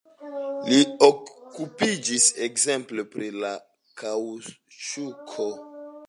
Li okupiĝis ekzemple pri la kaŭĉuko.